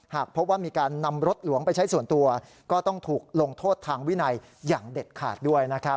หากพบว่ามีการนำรถหลวงไปใช้ส่วนตัวก็ต้องถูกลงโทษทางวินัยอย่างเด็ดขาดด้วยนะครับ